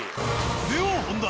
では本題。